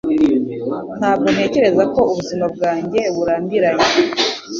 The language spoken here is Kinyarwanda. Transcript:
Ntabwo ntekereza ko ubuzima bwanjye burambiranye